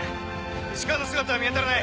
石川の姿は見当たらない。